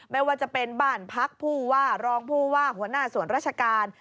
ไม่ว่าจะเป็นบ้านพักผู้ว่ารองผู้ว่าหัวหน้าส่วนราชการ